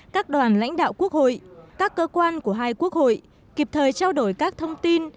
các đoàn lãnh đạo quốc hội các cơ quan của hai quốc hội kịp thời trao đổi các thông tin